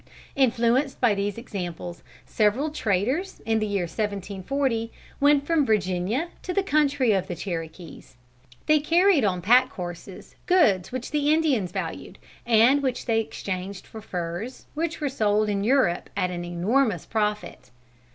Influenced by these examples several traders, in the year 1740, went from Virginia to the country of the Cherokees. They carried on pack horses goods which the Indians valued, and which they exchanged for furs, which were sold in Europe at an enormous profit.